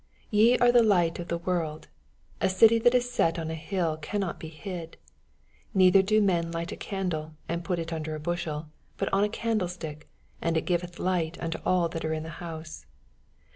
14 Ye are the light of the world. A cTtj that is set on an hill cannot be hid. 15 Neither do men light a candle, ftnd put it under a bushel, but on a eandlestick^ and it giveth light unto nil that are in the house.